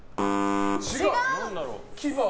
違う！